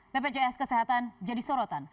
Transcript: bpjs kesehatan jadi sorotan